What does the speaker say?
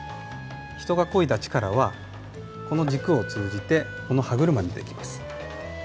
人がこいだ力はこの軸を通じてこの歯車に出てきます。